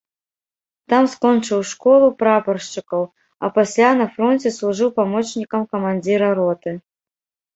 Там скончыў школу прапаршчыкаў, а пасля, на фронце служыў памочнікам камандзіра роты.